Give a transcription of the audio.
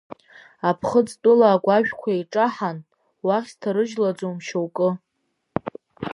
Аԥхыӡ тәыла агәашәқәа еиҿаҳан, уахь сҭарыжьлаӡом шьоукы.